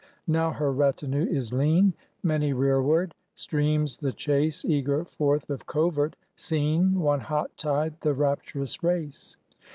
Now her retinue is lean, Many rearward; streams the chase Eager forth of covert; seen One hot tide the rapturous race.